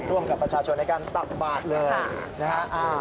ร่วมกับประชาชนในการตักบาทเลยนะฮะ